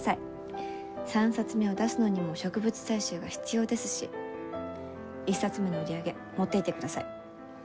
３冊目を出すのにも植物採集が必要ですし１冊目の売り上げ持っていってください。